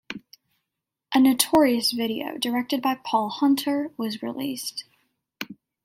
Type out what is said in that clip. A notorious video directed by Paul Hunter was released.